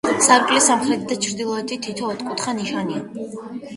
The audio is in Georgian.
სარკმლის სამხრეთით და ჩრდილოეთით თითო ოთხკუთხა ნიშაა.